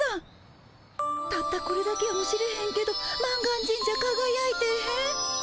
たったこれだけやもしれへんけど満願神社かがやいてへん？